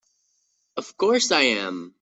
Of course I am!